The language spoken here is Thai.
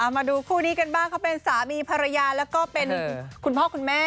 มาดูคู่นี้กันบ้างเขาเป็นสามีภรรยาแล้วก็เป็นคุณพ่อคุณแม่